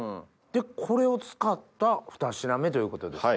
これを使ったふた品目ということですか？